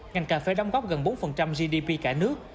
ngành cà phê đóng góp gần bốn gdp cả nước